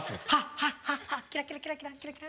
ハッハッハッキラキラキラキラン。